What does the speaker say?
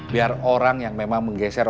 biar orang yang memang menggeser